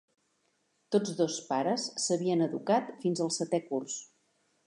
Tots dos pares s'havien educat fins el setè curs.